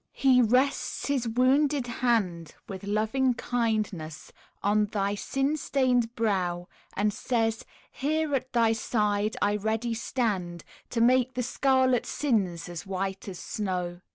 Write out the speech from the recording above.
He rests His wounded hand With loving kindness, on thy sin stained brow, And says "Here at thy side I ready stand, To make thy scarlet sins as white as snow.